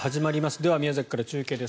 では宮崎から中継です。